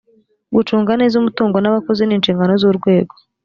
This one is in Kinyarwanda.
gucunga neza umutungo n’abakozi ni inshingano z’urwego